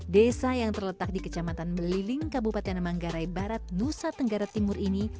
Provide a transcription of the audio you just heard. desa yang terletak di kecamatan beliling kabupaten manggarai barat nusa tenggara timur ini